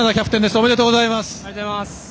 ありがとうございます。